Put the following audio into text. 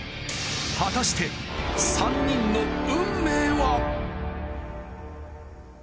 果たして３人の運命は？